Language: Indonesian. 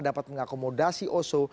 dapat mengakomodasi oso